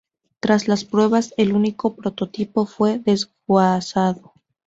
Tras las pruebas, el único prototipo fue desguazado.